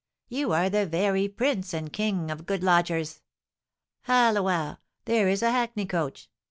You are the very prince and king of good lodgers! Halloa, there is a hackney coach!